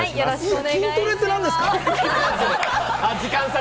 いや、筋トレって何ですか！